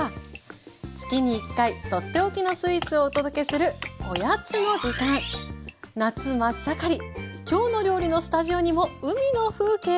月に１回取って置きのスイーツをお届けする夏真っ盛り「きょうの料理」のスタジオにも海の風景が？